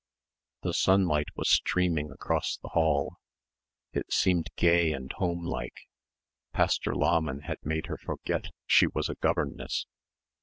The sunlight was streaming across the hall. It seemed gay and home like. Pastor Lahmann had made her forget she was a governess.